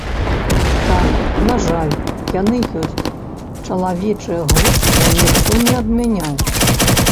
Так, на жаль, яны ёсць, чалавечае глупства ніхто не адмяняў.